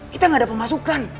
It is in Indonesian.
kita gak ada pemasukan